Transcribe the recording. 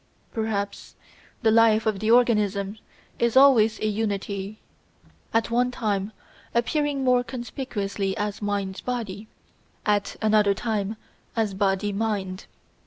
Perhaps the life of the organism is always a unity, at one time appearing more conspicuously as Mind body, at another time as Body mind.